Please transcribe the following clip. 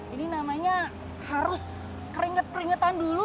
ini namanya harus keringet keringetan dulu